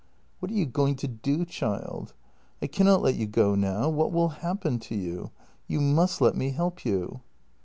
"What are you going to do, child? I cannot let you go now. What will happen to you? — you must let me help you."